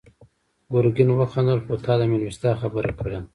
ګرګين وخندل: خو تا د مېلمستيا خبره کړې وه.